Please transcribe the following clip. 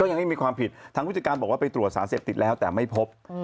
ยังไม่มีความผิดทางผู้จัดการบอกว่าไปตรวจสารเสพติดแล้วแต่ไม่พบ